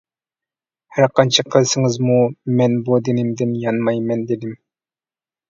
ھەر قانچە قىلسىڭىزمۇ مەن بۇ دىنىمدىن يانمايمەن، — دېدىم.